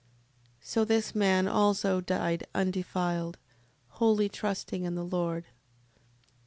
7:40. So this man also died undefiled, wholly trusting in the Lord.